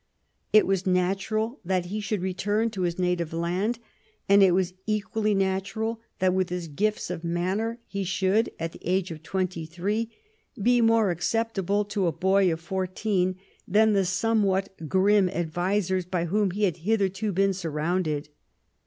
It was natural that he should return to his native land; and it was equally natural that, with his gifts of manner, he should at the age of twenty three be more acceptable to a boy of fourteen than the somewhat grim advisers by whom he had hitherto been surrounded.